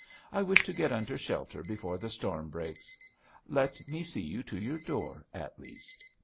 'I wish to get under shelter before the storm breaks.' 'Let me see you to your door at least.'